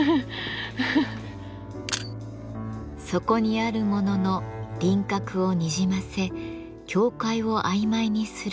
そこにあるものの輪郭をにじませ境界をあいまいにする霧。